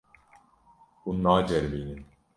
Hûn naceribînin.